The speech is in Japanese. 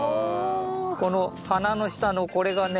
この花の下のこれがね